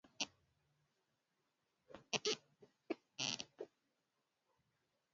Kukonda bila kukoma